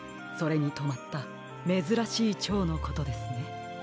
それにとまっためずらしいチョウのことですね。